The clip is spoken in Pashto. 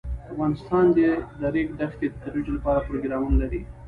افغانستان د د ریګ دښتې د ترویج لپاره پروګرامونه لري.